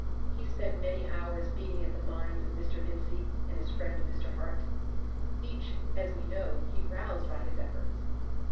He spent many hours beating at the minds of Mr. Vincey and of his friend Mr. Hart. Each, as we know, he roused by his efforts.